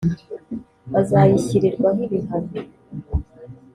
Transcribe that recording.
bazashyirirwaho ibihano